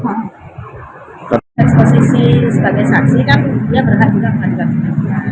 jadi konteks posisi sebagai saksi kan dia pernah juga melakukan saksikan